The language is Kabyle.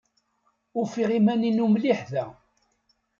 Ufiɣ iman-inu mliḥ da.